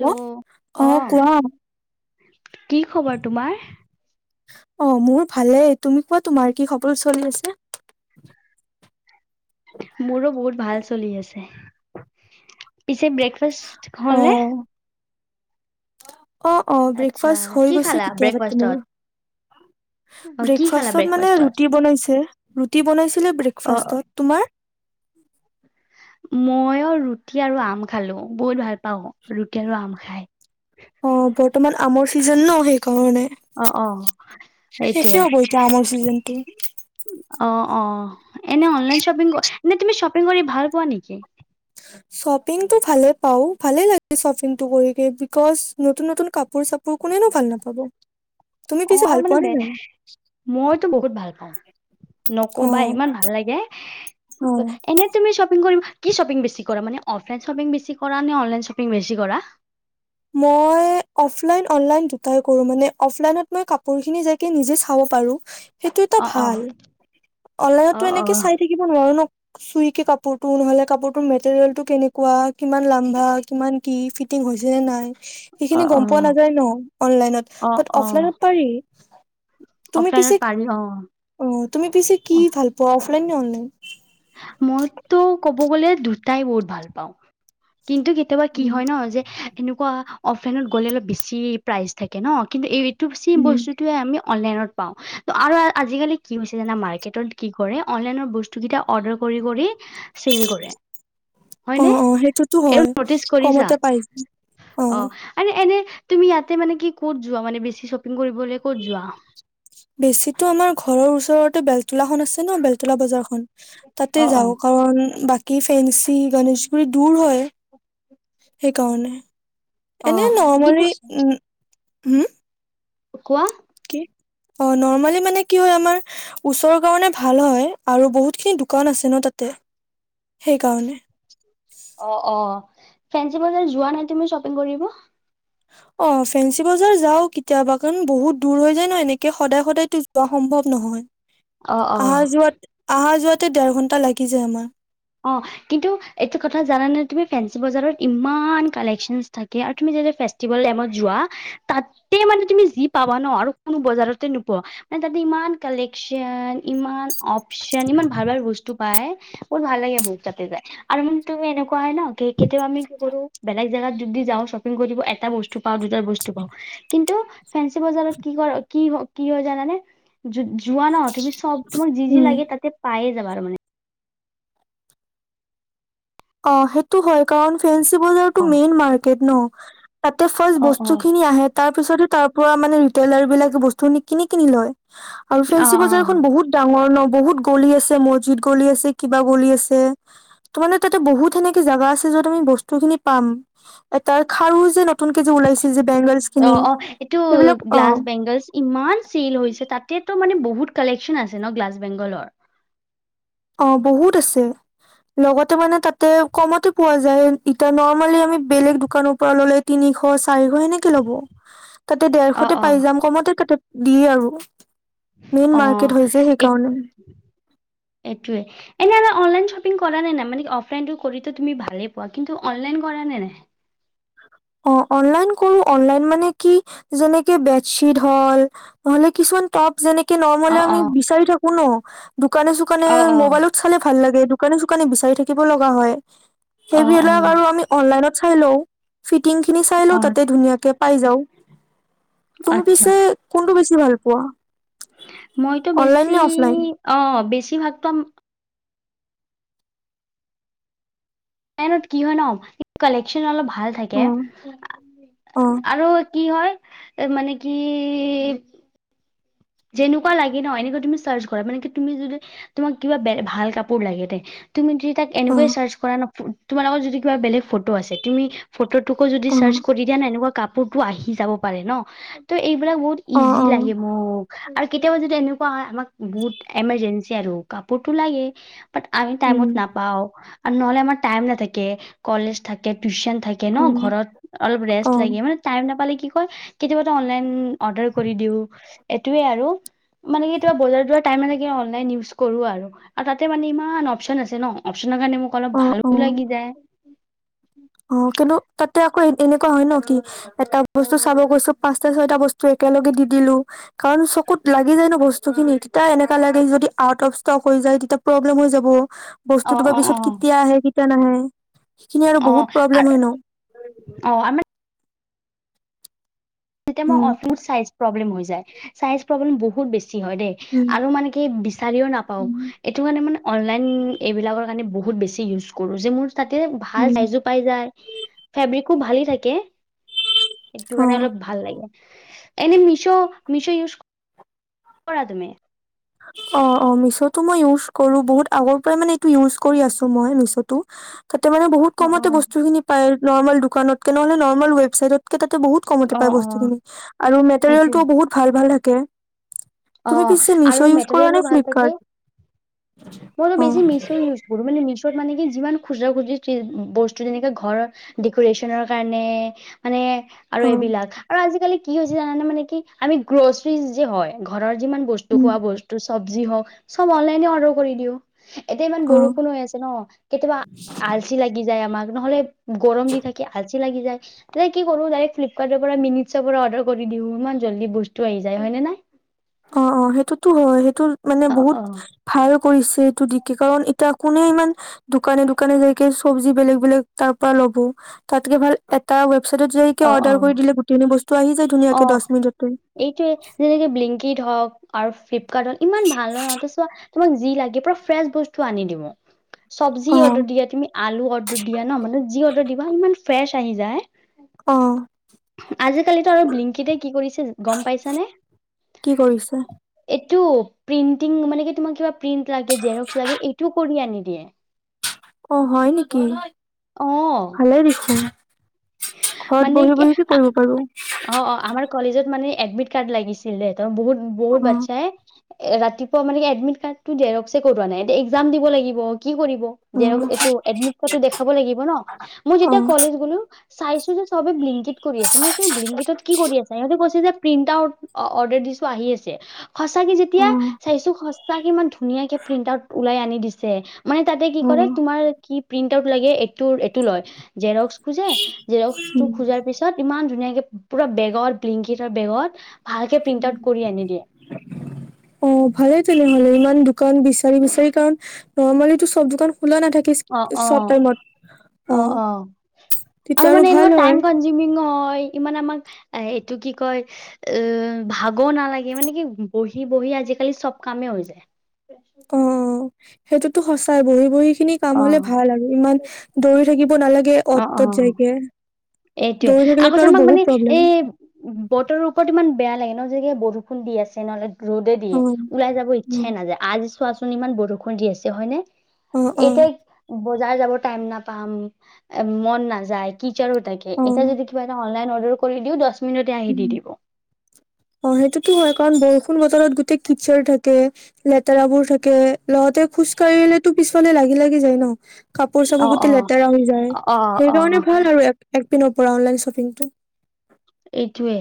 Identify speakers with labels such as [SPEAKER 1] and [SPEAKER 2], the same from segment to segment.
[SPEAKER 1] Hello
[SPEAKER 2] hello অ কোৱা
[SPEAKER 1] কি খবৰ তোমাৰ
[SPEAKER 2] অ মোৰ ভালেই তুমি কোৱা তোমাৰ কি সবো চলি আছে
[SPEAKER 1] মোৰো বহুত ভাল চলি আছে ব্ৰেকফাষ্ট
[SPEAKER 2] অ
[SPEAKER 1] হ'ল নে?
[SPEAKER 2] অ' অ'
[SPEAKER 1] আচ্ছা
[SPEAKER 2] ব্ৰেকফাষ্ট হৈ
[SPEAKER 1] কি
[SPEAKER 2] গৈছে
[SPEAKER 1] খালা
[SPEAKER 2] কেতিয়াবাতে মোৰ।
[SPEAKER 1] ব্ৰেকফাষ্টত অ কি খালা
[SPEAKER 2] ব্ৰেকফাষ্টত মানে ৰুতি বনাইছে, ৰুতি বনাইছিল
[SPEAKER 1] অ
[SPEAKER 2] ব্ৰেকফষ্টত। তোমাৰ?
[SPEAKER 1] মইও ৰুটি আৰু আম খালো। বহুত ভাল পাওঁ ৰুটি আৰু আম খাই।
[SPEAKER 2] অ' বৰ্তমান আমৰ চিজন ন সেই অ' নে
[SPEAKER 1] অ অ
[SPEAKER 2] শষ
[SPEAKER 1] সেইটোৱে
[SPEAKER 2] হব এতিয়া আমৰ চিজনতো।
[SPEAKER 1] অ' অ'। এনে অ' অনলাইন শ্বপিং কৰ ন তুমি শ্বপিং কৰি ভাল পোৱা নেকি?
[SPEAKER 2] শ্বপিংটো ভালে পাও, ভালে লাগে শ্বপিংটো কৰি, বিকজ নতুন নতুন কাপোৰ চাপোৰ কোনেনো ভাল নাপাব। তুমি
[SPEAKER 1] অ'
[SPEAKER 2] পিছে
[SPEAKER 1] আৰু
[SPEAKER 2] ভাল পোৱা নে
[SPEAKER 1] মানে,
[SPEAKER 2] নাই
[SPEAKER 1] মইতো বহুত ভাল পাওঁ,
[SPEAKER 2] অ
[SPEAKER 1] নকবা ইমান ভাল লাগে,
[SPEAKER 2] অ
[SPEAKER 1] এনে তুমি শ্বপিং কৰিব কি শ্বপিং বেছি কৰা মানে? অফলাই শ্বপিং বেছি কৰে কৰা নে অনলাইন শ্বপিং বেছি কৰা?
[SPEAKER 2] মই অফলাইন অনলাইন দুটাই কৰো মানে, অফলাইনত মই কাপোৰ কানি যাই নিজে চাব পাৰো। সেইটো এটা
[SPEAKER 1] অ অ
[SPEAKER 2] ভাল,
[SPEAKER 1] অ
[SPEAKER 2] অনলাইনতো
[SPEAKER 1] অ
[SPEAKER 2] এনেকে চাই থাকিব নোৱাৰো ন। চুই কে কাপোৰটো, নহলে কাপোৰ তৰ মেটেৰিয়েল টো কেনেকুৱা। কিমান লাম্বা, কিমান কি ফিটিং হৈছে যে নাই।
[SPEAKER 1] অ
[SPEAKER 2] সেইখিনি
[SPEAKER 1] অ
[SPEAKER 2] গম পোৱা নাযায় ন অনলাইনত,
[SPEAKER 1] অ
[SPEAKER 2] বাট
[SPEAKER 1] অ
[SPEAKER 2] অফলাইনত পাৰি। তুমি
[SPEAKER 1] অফলাইনত
[SPEAKER 2] পিছে
[SPEAKER 1] পাৰি অ
[SPEAKER 2] অ', তুমি পিছে কি ভাল পোৱা? লাইন নে অনলাইন?
[SPEAKER 1] মইটো ক'ব গ'লে দুটাই বহুত ভাল পাওঁ। কিন্তু কেতিয়াবা কি
[SPEAKER 2] উম
[SPEAKER 1] হয় ন' যে এনেকুৱা অ'ফেনত গ'লে অলপ বেছি প্ৰাইজ থাকে ন' কিন্তু এই চেম
[SPEAKER 2] উম
[SPEAKER 1] বস্তুটোৱে আমি অনলাইনত পাওঁ ত' আৰু আজিকালি কি হৈছে জানা মাৰ্কেটত কি কৰে অনলাইনৰ বস্তু কেইটা অৰ্ডাৰ কৰি কৰি হয়নে
[SPEAKER 2] অ', অ', সেইটোতো
[SPEAKER 1] এইটো
[SPEAKER 2] হয়
[SPEAKER 1] নটিচ কৰিছা
[SPEAKER 2] কমতে পাইছোঁ অ'।
[SPEAKER 1] আৰু এনে তুমি ইয়াতে মানে কি ক'ত যোৱা মানে বেছি চ'
[SPEAKER 2] বেছিটো আমাৰ ঘৰৰ ওচৰত টো বেলতলাখন আছ ন' বেলতলা বজাৰখন তাতে
[SPEAKER 1] অ অ
[SPEAKER 2] যাওঁ কাৰণ বাক কি ফেঞ্চি গণেশগুৰি দূৰ হয় সেইকাৰণে
[SPEAKER 1] অ
[SPEAKER 2] এনে
[SPEAKER 1] কিন্তু
[SPEAKER 2] নৰ্মাৰী উম। হম।
[SPEAKER 1] কোৱা।
[SPEAKER 2] কি অ' নৰ্মেলি মানে কি হয় আমাৰ ওচৰৰ কাৰণে ভাল হয় আৰু বহুতখিনি দোকান আছে ন তাতে সেইকাৰণে
[SPEAKER 1] অ' অ' ফেঞ্চি বজাৰ যোৱা নাই তুমি শ্বপিং কৰিব।
[SPEAKER 2] অ' ফেঞ্চি বজাৰ যাও কেতিয়াবা কাৰণ বহুত দূৰ হৈ যায় ন এনেকে সদায় সদায়তো যোৱা সম্ভৱ নহয়
[SPEAKER 1] অ অ
[SPEAKER 2] অহা যোৱাত, অহা যোৱাত অহা যোৱাত দেৰ ঘন্টা লাগি যায় আমাৰ
[SPEAKER 1] অ' কিন্তু এইটো কথা জানানে তুমি ফেসি বজাৰত ইমান কালেকশন থাকে আৰু তুমি যেতিয়া ফেষ্টিভেল টাইমত যোৱা তাতে মানে তুমি যি পাবা ন আৰু কোনো বজাৰতে নোপোৱা মানে তাতে ইমান কালেকশ্যন ইমান। অপশচন ইমান ভাল ভাল বস্তু। পায়। বহুত ভাল লাগে বহুত যাতে যাই আৰু মানে তুমি এনেকুৱা হয় ন কি কেতিয়াবা আমি কি কৰো বেলেগ জেগাত যদি যাওঁ শ্বপিং কৰিব এটা বস্তু। পাওঁ দুটাই বস্তু পাওঁ কিন্তু। ফেঞ্চী বজাৰত কি কৰ কিহৰ। কি হয় জানানে যদি। যোৱা ন তুমি চববোৰ যি যি
[SPEAKER 2] উম
[SPEAKER 1] লাগে তাতে পায় যায়। বাৰ মানে
[SPEAKER 2] অ 'সেইটো হয় কাৰণ ফেচ সেই বজাৰ টু মেইন মাৰকেট ন তাতে ফাষ্ট
[SPEAKER 1] অ', অ',
[SPEAKER 2] বস্তু
[SPEAKER 1] অ'।
[SPEAKER 2] খিনি আহে তাত। তাৰ পিছতো তাৰ পৰা মানে ৰিটেইলাৰ বিলাকে বস্তু আনি কিনি কিনি লয়। আৰু
[SPEAKER 1] অ
[SPEAKER 2] ফেঞ্চি বজাৰখন বহুত ডাঙৰ ন' বহুত গলি আছে মছজিদ গলি আছে কিবা গলি আছে। তো মানে। তাতে বহুত সেনেকে জাগা আছে যত আমি বস্তু খিনি পাম এটাৰ খাৰু। যে নতুনকে যে ওলাইছে যে বেংগলছ
[SPEAKER 1] অ
[SPEAKER 2] খিনি
[SPEAKER 1] -অ এইটো
[SPEAKER 2] সেইবিলাক অ
[SPEAKER 1] গ্লাছ বেংগলছ ইমান চিল হৈছে তাতে তো মানে বহুত কালেকশ্যন আছে ন গ্লাছ বেংগলত
[SPEAKER 2] অ' বহুত আছে লগতে মানে তাতে কমতে পোৱা যায় এতিয়া নৰ্মেলি আমি বেলেগ দোকানৰ পৰা ল'লে তিনিশ চাৰিশ সেনেকে ল'ব তাতে
[SPEAKER 1] অ
[SPEAKER 2] ডেৰশতে
[SPEAKER 1] অ
[SPEAKER 2] পাই যাম কমতে তাতে দিয়ে আৰু। মেইন
[SPEAKER 1] অ
[SPEAKER 2] মাৰ্কেট হৈছে
[SPEAKER 1] এই
[SPEAKER 2] সেইকাৰণে।
[SPEAKER 1] এইটোৱে এনে আৰু অনলাইন শ্বপিং কৰা নে নাই মানে অফলাইনটো কৰিতো তুমি ভালেই পোৱা কিন্তু অনলাইন কৰা নে নাই।
[SPEAKER 2] অ অনলাইন কৰো অনলাইন মানে কি যেনেকে বেডশ্বীট হল মানে কিছুমান টপ যেনেকে
[SPEAKER 1] অ
[SPEAKER 2] নৰ্মেলি
[SPEAKER 1] অ
[SPEAKER 2] আমি বিচাৰি থাকো ন দোকান চোকানে
[SPEAKER 1] অ অ
[SPEAKER 2] মোবাইলত চালে ভাল লাগে দোকানী চুকানে বিচাৰি থাকিব লগা হয়
[SPEAKER 1] অ অ
[SPEAKER 2] সেইবিলাক আৰু আমি অনলাইনত চাই লওঁক ফিটিং খিনি চাই
[SPEAKER 1] অ
[SPEAKER 2] লওঁ তাতে ধুনীয়াকে পাই যাও তুমি
[SPEAKER 1] আচ্ছা
[SPEAKER 2] পিছে কোনটু বেছি কি ভাল পোৱা
[SPEAKER 1] মইতো
[SPEAKER 2] অনলাইন
[SPEAKER 1] বেছি
[SPEAKER 2] নে অফলাইন?
[SPEAKER 1] অ বেছি বৃহত্তম মেইন কি হয় ন কালেকশ্যন অলপ ভাল ভাল
[SPEAKER 2] অ,
[SPEAKER 1] থাকে
[SPEAKER 2] অ,
[SPEAKER 1] আৰু কি হয় এ মানে কি যেনেকুৱা লাগে ন এনেকুৱা তুমি চাৰ্চ কৰা মানে কি তুমি যদি তোমাক কিবা ব ভাল কাপোৰ লাগে তে তুমি য তাক
[SPEAKER 2] অ,
[SPEAKER 1] এনেকুৱে চাৰ্চ কৰা ন তোমাৰ লগত যদি কিবা বেলেগ ফটো আছে তুমি ফটো তোক যদি
[SPEAKER 2] অ,
[SPEAKER 1] চাৰ্চ কৰি দিয় এনেকুৱা কাপো টো আহি যাব পাৰে ন ত এইবিলাক বহুত
[SPEAKER 2] অ,
[SPEAKER 1] ইজি
[SPEAKER 2] অ,
[SPEAKER 1] লাগে মোক আৰু কেতিয়াবা যদি এনেকুৱা হয় আমাক বহুত এমাৰজেঞ্চি আৰু কাপোৰতটো লাগে ব আমি টাইমোত
[SPEAKER 2] উম,
[SPEAKER 1] নাপাওঁ আৰু নহলে আমাৰ টাইম নাথাকে কলেজ থাকে টিউচন থাকে ন
[SPEAKER 2] অ,
[SPEAKER 1] ঘৰত অলপ ৰেষ্ট
[SPEAKER 2] অ,
[SPEAKER 1] লাগে মানে টাইম নাপালে কি কেতিয়াবা অনলাইন অৰ্ডাৰ কৰি দিওঁ এইটোৱেই আৰু মানে কি বজাৰ টাইম আৰু তাতে মানে ইমান অপ্চন আছে ন অ না কাৰণে মোক অলপ
[SPEAKER 2] অ,
[SPEAKER 1] ভাল
[SPEAKER 2] অ।
[SPEAKER 1] লাগি যায়
[SPEAKER 2] অ কিন্তু তাতে আকৌ এনেকুৱা হয় ন কি এটা বস্তু চাব গৈছো পাঁচটা ছয়টা বস্তু একেলগে দি দিলো কাৰণ চকুত লাগি যায় ন বস্তু খিনি তেতিয়া এনেককাা লাগে যদি আউট অফ ষ্টক হৈ যায় তেতিয়া প্ৰব্লেম হৈ যাব বস্তু
[SPEAKER 1] অ
[SPEAKER 2] দব
[SPEAKER 1] অ অ
[SPEAKER 2] পিছত কেতিয়া আহে নাহে সেইখিনি আৰু বহুত হয় ন
[SPEAKER 1] আৰ আমি যেতিয়া মই অ
[SPEAKER 2] উম
[SPEAKER 1] চাইো প্ৰব্লেম হৈ যায় চাইজ প্ৰব্লেম বহুত বেছি। [unintelligible] হয় দেই
[SPEAKER 2] উম
[SPEAKER 1] আৰু মানে কি বিচাৰিও নাপাওঁ
[SPEAKER 2] উম
[SPEAKER 1] এইটো কাৰণে মানে অনলাইন এইবিলাকৰ কাৰণে বহুত বেছি ইউজ কৰোঁ যে মোৰ তাতে ভাল
[SPEAKER 2] উম
[SPEAKER 1] চাইছো পাই যাই [unintelligible] খুব ভালেই থাকে সটো কাৰণে
[SPEAKER 2] অ
[SPEAKER 1] অলপ ভাল এনে মিছ মিছ ইজ কৰা তুমি
[SPEAKER 2] অ অ মিছ'টো মই ইউজ কৰো বহুত আগৰ পৰাই মানে এইটো ইউজ কৰি আছো মই মিছটো তাতে মানে বহুত
[SPEAKER 1] অ অ
[SPEAKER 2] কমতে বস্তু খিনি পায় নৰ্মেল দোকানতকে নহ'লে নৰ্মেল ৱেবছাইটত কটা বহুত
[SPEAKER 1] অ
[SPEAKER 2] কমতে পাই
[SPEAKER 1] অ
[SPEAKER 2] বস্তু খিনি আৰু মেটেৰিয়েল
[SPEAKER 1] এইটোৱে
[SPEAKER 2] টোও বহুত ভাল ভাল থ ক
[SPEAKER 1] অ আৰু
[SPEAKER 2] নে
[SPEAKER 1] মেটেৰিয়েল ভাল থাকে
[SPEAKER 2] ফ্লিপকাৰ্ট?
[SPEAKER 1] মই তো
[SPEAKER 2] অ',
[SPEAKER 1] বেছি মিচ্ ইউচ কৰো মানে মিচ মানে কি যিমান খুচৰা খুচৰি বস্তু যেনেকে ঘৰৰ ডেক'ৰেচনৰ কাৰণে মানে আৰু
[SPEAKER 2] অ',
[SPEAKER 1] এইবিলাক আৰু আজিকালি কি হৈ হৈছে জানানে মান কি আমি গ্ৰছিজ যে হয় ঘৰৰ যিমান বস্তু
[SPEAKER 2] উম,
[SPEAKER 1] খোৱা বস্তু চব্জি হওঁক চব অনলাইনে অৰ্ডাৰ কৰি দিওঁ এতিয়া ইমান
[SPEAKER 2] অ'।
[SPEAKER 1] বৰষুণ হৈ আছে ন কেতিয়াবা আলচি লাগি যায় আমাক নহ'লে গৰম দি থাকি আজি লাগি যায় তেতিয়া কি কৰো ফ্লিপকাৰ্ট পৰা মিনিচ পৰা অৰ্ডাৰ কৰি দিওঁ ইমান জল্দি বস্তু আহি যায় হয়নে নাই
[SPEAKER 2] অ অ সেইটোতো হয় সেইটো মানে
[SPEAKER 1] অ',
[SPEAKER 2] বহুত
[SPEAKER 1] অ',
[SPEAKER 2] ভাল কৰিছ টো দিকে কাৰণ এতিয়া কোনে ইমান দোকানে দোকানে যাইকে চব্জি বেলেগ বেলেগ তাৰ পৰা ল'ব তাতকে ভাল এটা চাইদত যাইকে
[SPEAKER 1] অ',
[SPEAKER 2] অৰ্ডাৰ
[SPEAKER 1] অ'।
[SPEAKER 2] কৰি দে গোটেখিনি বস্তু তো আহি যায়
[SPEAKER 1] অ
[SPEAKER 2] ধুনীয়াকে দহ মিনিটতে
[SPEAKER 1] নিদ হওঁক আৰু ফিভ। কাৰণ ইমান ভাল ন সিহঁতে চোৱা। তোমাক যি লাগে পুৰা ফ্ৰেচ বস্তু আনি দিব। চব্জি
[SPEAKER 2] অ',
[SPEAKER 1] অৰ্ডাৰ দিয়া, তুমি আলু অৰ্ডাৰ দিয়া ন', মানে যি অৰ্ডাৰ দিবা ইমান ফ্ৰেচ আহি যায়
[SPEAKER 2] অ',
[SPEAKER 1] আজি সেইটো বিলেংকিতে কি কৰিছে গম পাইছ নে?
[SPEAKER 2] কি কৰিছে?
[SPEAKER 1] এইটো, প্ৰিন্টিং মানে কি তোমাৰ কিবা প্ৰিণ্ট লাগে, জেৰক্স লাগে, এইটোও কৰি আনিব। দিয়ে।
[SPEAKER 2] অ' হয় নেকি?
[SPEAKER 1] আহ।
[SPEAKER 2] ভালেই দেখোন। ঘৰত
[SPEAKER 1] মানে
[SPEAKER 2] বহি
[SPEAKER 1] কি,
[SPEAKER 2] বহি
[SPEAKER 1] অ'
[SPEAKER 2] কৰিব পাৰো?
[SPEAKER 1] অ' আমাৰ কলেজত মানে এডমিট কাৰ্ড লাগিছিল দে। ত বহুত বহুত
[SPEAKER 2] অ',
[SPEAKER 1] বচ্ছা এ এ ৰাতিপুৱা মানে এডমিট কাৰ্ড টো জেৰক্স কৰোৱা নাই, এতিয়া এক্সাম দিব লাগিব। কি কৰিব,
[SPEAKER 2] অ',
[SPEAKER 1] এইটো এডমিতটো দেখাব লাগিব ন, মই
[SPEAKER 2] অ',
[SPEAKER 1] যেতিয়া
[SPEAKER 2] অ',
[SPEAKER 1] কলেজ গলো চাইছো যে চবে ব্লিংকিত কৰি আছে, মোৰ চ ব্লিংকিতত কি কৰি আছে স ইহঁ ক কৈছে যে প্ৰিন্ট আউত অৰ্দাৰ দিছো, আহি আছে। সঁচাকে যেতিয়া
[SPEAKER 2] অ',
[SPEAKER 1] চাইছো তাক ইমান ধুনীয়াকে প্ৰিন্ট আউত ওলাই আনি দিছে। মানে তাতে কি কৰে
[SPEAKER 2] উম।
[SPEAKER 1] তোমাৰ কি প্ৰিন্ট লাগে এই এইটো লয়। জেৰক্স টো যে টো খোজাৰ পিছত ইমান ইমান ধুনীয়াকে পুৰা বেগত বিংকিত বেগত ভালকে প্ৰিন্ট আউট কৰি আনি দিয়ে।
[SPEAKER 2] অ' ভালেই তেনেহলে দোকান বিচাৰি বিচাৰি কাৰণ, নৰ্মালিটো চব দোকান খোলা নাথাকি,
[SPEAKER 1] অ',
[SPEAKER 2] চব
[SPEAKER 1] অ'।
[SPEAKER 2] টাইমত, অ' তেতিয়া
[SPEAKER 1] মানে
[SPEAKER 2] আৰু
[SPEAKER 1] এনেকুৱা
[SPEAKER 2] ভাল
[SPEAKER 1] টাইম
[SPEAKER 2] হয়।
[SPEAKER 1] কনজিউমিং হয় ইমান আমাক এ এইটো কি কয়, অ' ভাগৰ নালাগে মানে কি বহি বহি আজিকালি চব কামে হৈ যায়। [inaudible]
[SPEAKER 2] অ সেইটোতো সঁচাই বহি বহি স খিনি কাম হলে
[SPEAKER 1] অ',
[SPEAKER 2] ভাল আৰু, ইমান দৌৰি থাকিব নালাগে অত তত যায়গে।
[SPEAKER 1] এইটোৱে আগতে আমাক মানে এই, বতৰৰ ওপৰত ইমান বেয়া লাগে ন' যে কিবা বৰষুণ দি আছে নহ'লে ৰ'দে
[SPEAKER 2] অ
[SPEAKER 1] দিয়ে, ওলাই যাব ইচ্ছাই নাযায় আজি চোৱাচো [unintelligible] ইমান বৰষুণ দি আছে হয় নে?
[SPEAKER 2] অ অ
[SPEAKER 1] এইটোৱে, বজাৰ যাব টাইম নাপ পাম, মন নাযায় কি চা এ
[SPEAKER 2] অ
[SPEAKER 1] এতিয়া যদি কিবা এটা অনলাইন হল [unintelligible] কৰি দিওঁ দশ মিনিটে আহি দি
[SPEAKER 2] উম
[SPEAKER 1] দিব।
[SPEAKER 2] অ', সেইটোতো হয় কাৰণ বৰষুণ বতৰত গোটেই কিচাৰ থাকে, লেতেৰাবোৰ থাকে। লওঁতে খোজকাঢ়িলে তো পিছফালে লাগি লাগি যায় ন কাপোৰ
[SPEAKER 1] অ
[SPEAKER 2] চাপোৰ
[SPEAKER 1] অ
[SPEAKER 2] গোটেই লেতেৰা হৈ যায়
[SPEAKER 1] অ অ
[SPEAKER 2] সেইকাৰণে ভাল আৰু পৰা অনলাইন শ্বিটো
[SPEAKER 1] এইটোয়ে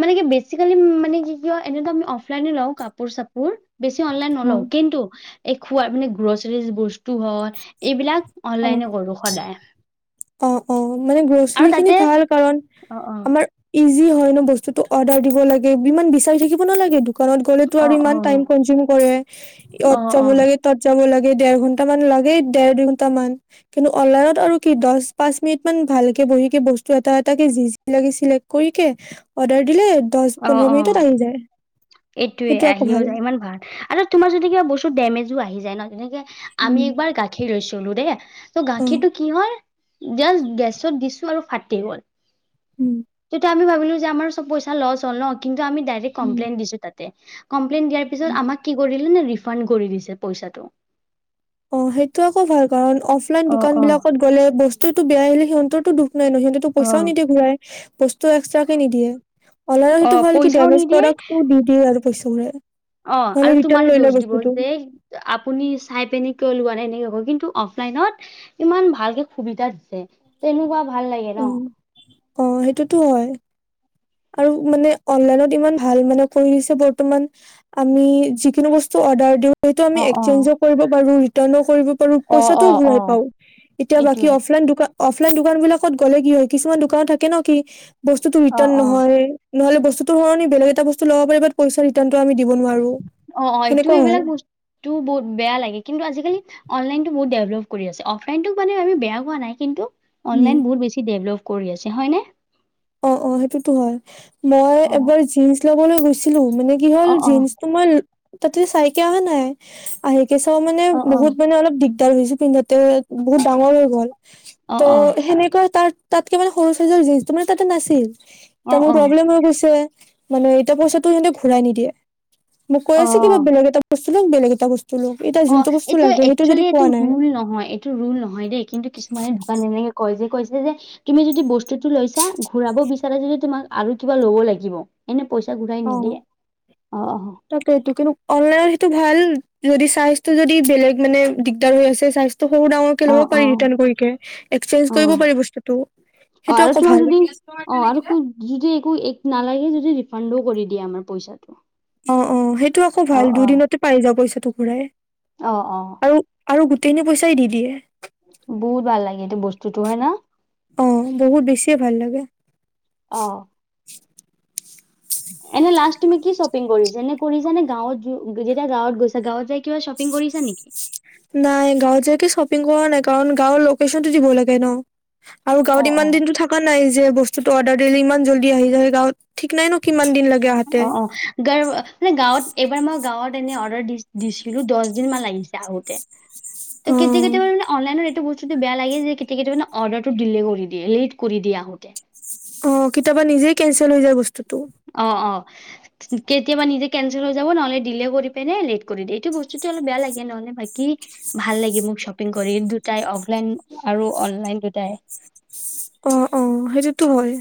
[SPEAKER 1] মানে কি বেচিকেলি মানে কি ক এনে আ লাই লওঁ কাপোৰ চাপোৰ বেছি অনলাইন
[SPEAKER 2] অ
[SPEAKER 1] নলও কিন্তু এই খোৱা মানে গ্ৰচাৰীজ বস্তু হ এইবিলাক অনলাইনে কৰো সদায়
[SPEAKER 2] অঁ অঁ মানে
[SPEAKER 1] আৰু
[SPEAKER 2] গছলি খিনি
[SPEAKER 1] তাতে
[SPEAKER 2] ভাল কাৰণ
[SPEAKER 1] অ অ
[SPEAKER 2] আমাৰ যি হয় ন বস্তুতটো অৰ্ডাৰ দিব লাগে ইমান বিচাৰি থাকিব নালাগে দোকানত গ'লেতো
[SPEAKER 1] অ
[SPEAKER 2] আৰু
[SPEAKER 1] অ
[SPEAKER 2] ইমান টাইম কনজিউম কৰে
[SPEAKER 1] অ
[SPEAKER 2] ইয়ত যাব
[SPEAKER 1] অ
[SPEAKER 2] লাগে তত যাব লাগে। দেৰ ঘন্ট মান লাগেই দেৰ দুই ঘন্ট মান কিন্তু অলাৰত আৰু কি দহ পাঁচ মিনিট মান ভালকে বহ কে বস্তু এটা এটে যি যি লাগেক্ কৰি অৰ্
[SPEAKER 1] অঁ অঁ এইটোয়ে
[SPEAKER 2] সেইটো আকৌ
[SPEAKER 1] আহিও
[SPEAKER 2] ভাল
[SPEAKER 1] যায় ইমান ভাল আৰু তোমাৰ যদি কিবা বস্তু ডেমেজ- তো আহি যায় ন তেনেকে আমি
[SPEAKER 2] উম
[SPEAKER 1] একবাৰ গাখীৰ লৈছো [unintelligible] দে ত
[SPEAKER 2] অ
[SPEAKER 1] গাখীৰটো কি হয় জাস্ট গেছত দিছো আৰু ফাটি গ'ল।
[SPEAKER 2] উম
[SPEAKER 1] তেটিয়া আমি ভাবি বোলো যে আমাৰ চব পইচা তাৰ লচ হল ন তেতিয়া আমি ডাইৰেক্ট
[SPEAKER 2] উম
[SPEAKER 1] কমপ্লেন দিছো তাতে। কমপ্লেইন দিয়াৰ
[SPEAKER 2] উম
[SPEAKER 1] পিছত আমাক কৰি। ৰিফাণ্ড কৰি দিছে পইচাটো।
[SPEAKER 2] অ সেইটো আকৌ ভাল। কাৰণ অফলাইন
[SPEAKER 1] অ
[SPEAKER 2] দোকান
[SPEAKER 1] অ
[SPEAKER 2] বিলাকত গ'লে বস্তুতটো বেয়া আহিলে সিহঁতৰটো দুখ। নাই নহ সিহঁতেটো
[SPEAKER 1] অ
[SPEAKER 2] পইচাও নিদিয়ে ঘূৰাই। বস্তু এক্সট্ৰাকে নিদিয়ে অল
[SPEAKER 1] অ
[SPEAKER 2] সিটো ভাল যে
[SPEAKER 1] পইচাও
[SPEAKER 2] ডেমেজ
[SPEAKER 1] নিদিয়ে
[SPEAKER 2] প্ৰডাক্টটো দি দিয়ে আৰু। পইচা ঘূৰাই।
[SPEAKER 1] অ
[SPEAKER 2] নহ'লে
[SPEAKER 1] আৰু
[SPEAKER 2] ৰিটাৰ্ণ
[SPEAKER 1] তোমাৰ
[SPEAKER 2] লৈ লয়
[SPEAKER 1] দোষ দিব
[SPEAKER 2] বস্তুটো
[SPEAKER 1] যে আপুনি চাই পিনে। লোৱা নাই এনেকে কব কিন্তু অফলাইনত ইমান ভালকে সুবিধা দিছে তেনেকুৱা। ভাল লাগে
[SPEAKER 2] উম
[SPEAKER 1] ন
[SPEAKER 2] অ সেইটোতো হয়। আৰু মানে অনলাইনত ইমান ভাল মানে কৰি দিছে বৰ্তমান আমি যিকোনো বস্তু অৰ্ডাৰ দিওঁ। হয়টো আমি
[SPEAKER 1] অ অ
[SPEAKER 2] এক্সচেঞ্জও কৰিব পাৰো ৰিটাৰ্ণো কৰিব পাৰো
[SPEAKER 1] অ
[SPEAKER 2] পইচাও
[SPEAKER 1] অ অ
[SPEAKER 2] ঘূৰাই পাও এতিয়া বাকী
[SPEAKER 1] এইটোৱে
[SPEAKER 2] অফলাইন দোকান। অফলাইন দোকান বিলাকত গ'লে কি হয় কিছুমান দোকানত থাকে নহ কি। বস্তুটো
[SPEAKER 1] অ
[SPEAKER 2] ৰিটাৰ্ণ
[SPEAKER 1] অ
[SPEAKER 2] নহয়। নহলে বস্তুটো সলনি বেলেগ এটা বস্তু ল'ব পাৰিব ৰিটাৰ্ণটো আমি। দিব নোৱাৰো
[SPEAKER 1] অ অ এইটো
[SPEAKER 2] সেনেকুৱা হয়
[SPEAKER 1] এইবিলাক বস্তুটো বহুত বেয়া লাগে কিন্তু আজিকালি অনলাইনটো। বহুত দেভেলপ কৰি আছে অফলাইনটোক আমি বেয়া কোৱা নাই কিন্তু।
[SPEAKER 2] উম
[SPEAKER 1] অনলাইন বহুত বেছি ডেভেলপ। কৰি আছে হয়নে।
[SPEAKER 2] অ অ সেইটোতো হয় মই
[SPEAKER 1] অ
[SPEAKER 2] এবাৰ জিন। ল'বলৈ গৈছিলো। মানে কি হ'ল
[SPEAKER 1] অ অ
[SPEAKER 2] জিন্সটো মই। তাতে চাইকে আহা নাই আহি। কেঁচা মানে
[SPEAKER 1] অ
[SPEAKER 2] বহুত
[SPEAKER 1] অ
[SPEAKER 2] মানে অলপ দিগ। তাৰ পিছত পিন্ধাতে বহুত ডাঙৰ হৈ গ'ল।
[SPEAKER 1] অ
[SPEAKER 2] ত' সেনেকৈ তাৰ। তাতকে মানে সৰু চাইজৰ জিন্সটো মানে। তাতে নাছিল।
[SPEAKER 1] অ অ
[SPEAKER 2] এতিয়া মোৰ প্ৰব্লেম হৈ গৈছে। মানে এটা পইচাটো সিহঁতে ঘূৰাই নিদিয়ে। মোক কৈ আছে কিবা বেলেগ এটা বস্তু। বেলেগ এটা বস্তু। লওক এতিয়া
[SPEAKER 1] অঁ
[SPEAKER 2] যোনটো বস্তু
[SPEAKER 1] এইটো
[SPEAKER 2] লাগে সেইটো যদি
[SPEAKER 1] একচুৱেলি
[SPEAKER 2] পোৱা
[SPEAKER 1] এইটো
[SPEAKER 2] নাই
[SPEAKER 1] ৰোল নহয় এইটো ৰোল নহয় দেই কিন্তু কিছুমানে দোকান এনেকে কয় যে কৈছে যে তুমি যদি বস্তু বস্তুটো লৈছা ঘূৰাব বিচাৰা যদি তোমাক আৰু কিবা ল'ব লাগিব, এনে পইচা ঘূৰাই
[SPEAKER 2] অ
[SPEAKER 1] নিদিয়ে, অঁ - অঁ।
[SPEAKER 2] তাকেইটো কিন্তু অনলাইনত সেইটো ভাল, যদি চাইজ টো যদি বেলেগ মানে দিগদাৰ ও হৈছে, চাইজ টো সৰু ডাঙৰ কে
[SPEAKER 1] অ
[SPEAKER 2] ল'ব
[SPEAKER 1] অ
[SPEAKER 2] পাৰি ৰিটাৰ্ণ কৰি কে, এক্সচেঞ্জ কৰিব
[SPEAKER 1] অ
[SPEAKER 2] পাৰি বস্তুটো,
[SPEAKER 1] অ
[SPEAKER 2] সেইটো
[SPEAKER 1] আৰু
[SPEAKER 2] আকৌ
[SPEAKER 1] তোমাক
[SPEAKER 2] ভাল।
[SPEAKER 1] যদি অ আৰু কো- যদি একো এক নালাগে যদি ৰিফাণ্ডো কৰি দিয়ে আমাৰ পইচাটো।
[SPEAKER 2] অঁ-অঁ সেই তো আকৌ ভাল দুদিনতে পাই যায় পইচা টো ঘূৰাই।
[SPEAKER 1] অঁ-অঁ।
[SPEAKER 2] আৰু আৰু গোটেইখিনি পইচাই দি দিয়ে।
[SPEAKER 1] বহুত ভাল লাগে, এইটো বস্তুটো হয় ন।
[SPEAKER 2] অ বহুত বেছিয়ে ভাল লাগে
[SPEAKER 1] অঁ। এনে লাষ্ট তুমি কি শ্বপিং কৰিছা, এনে কৰিছা নে গাঁৱত যেতিয়া গাঁৱত গৈছা গাঁৱত যায়
[SPEAKER 2] নাই গাঁওত যায় কি শ্বপিং কৰা নাই কাৰণ গাঁৱৰ লোকেশ্যন টো দিব লাগে ন। আৰু
[SPEAKER 1] অ
[SPEAKER 2] গাঁৱত
[SPEAKER 1] অ।
[SPEAKER 2] ইমান দিনটো থকা নাই যে বস্তুটো অৰ্ডাৰ দিলে ইমান জল্দি আহি যায় গাঁৱত। ঠিক নাই ন কিমান দিন লাগে আহাতে
[SPEAKER 1] অঁ-অঁ গৰ মানে গাঁৱত এইবাৰ মই গাঁৱত এনে অৰ্ডাৰ দি দিছিলো দচ দিন মান লাগিছে আহোতে।
[SPEAKER 2] অ
[SPEAKER 1] ত' কেতিয়া কেতিয়াবা মানে অনলাইনত এইটো বচ বেয়া লাগে যে কেতিয়াবা-কেতিয়াবা মানে অৰ্ডাৰ টো দিলে কৰি দিয়ে, লেত কৰি দিয়ে আহোঁতে।
[SPEAKER 2] অঁ কেতিয়াবা নিজে কেনচেল হৈ যায় বচ
[SPEAKER 1] অঁ - অঁ। কেতিয়াবা নিজে কেনচেল হৈ যাব নহ'লে ডিলে কৰি পেনে লেট কৰি দিয়ে, এইটো বস্তু অলপ বেয়া লাগে নহ'লে বাকী ভাল লাগে মোক শ্বপিং কৰি দুটাই অফলাইন আৰু অনলাইন দুটাই।
[SPEAKER 2] অঁ-অঁ সেইটোতো হয়।